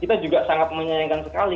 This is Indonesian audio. kita juga sangat menyayangkan sekali